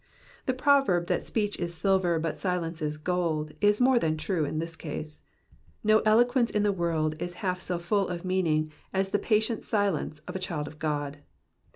The proverb that speech is silver but silence is gold, is more than true in this case. No eloquence in the world is half so full of mean ing as the patient silence of a child of God.